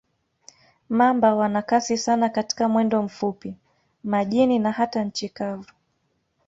Mamba wana kasi sana katika mwendo mfupi, majini na hata nchi kavu.